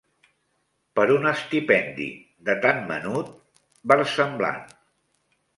Per un estipendi, de tan menut versemblant